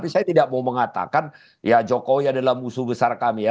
saya tidak mau mengatakan ya jokowi adalah musuh besar kami ya